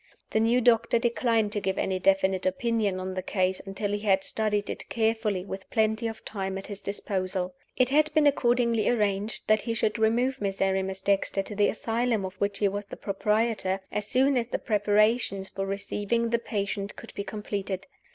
The new doctor declined to give any definite opinion on the case until he had studied it carefully with plenty of time at his disposal. It had been accordingly arranged that he should remove Miserrimus Dexter to the asylum of which he was the proprietor as soon as the preparations for receiving the patient could be completed.